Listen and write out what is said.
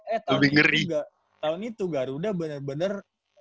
eh tahun itu garuda bener bener